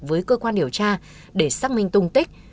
với cơ quan điều tra để xác minh tung tích